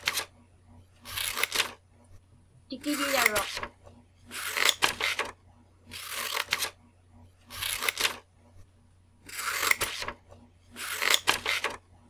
Tikiḷḷaruq.